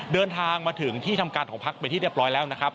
เดินทางมาถึงที่ทำการของพักเป็นที่เรียบร้อยแล้วนะครับ